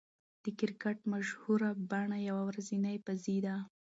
د کرکټ مشهوره بڼه يوه ورځنۍ بازي ده.